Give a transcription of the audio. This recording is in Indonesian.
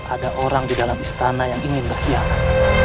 ada orang di dalam istana yang ingin berkhianat